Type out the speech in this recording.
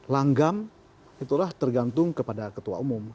langgam itulah tergantung kepada ketua umum